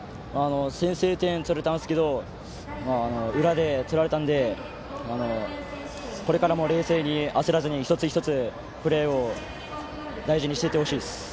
先制点は取れたんですけど裏で取られたのでこれからも冷静に焦らず一つ一つ、プレーを大事にしていってほしいです。